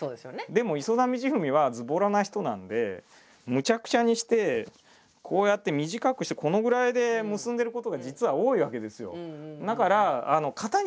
でも磯田道史はずぼらな人なんでむちゃくちゃにしてこうやって短くしてこのぐらいで結んでることが実は多いわけですよ。